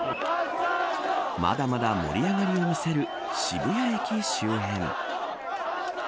まだまだ盛り上がりを見せる渋谷駅周辺。